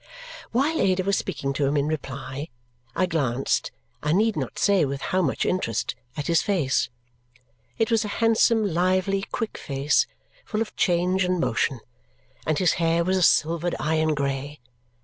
While Ada was speaking to him in reply, I glanced (I need not say with how much interest) at his face. It was a handsome, lively, quick face, full of change and motion; and his hair was a silvered iron grey.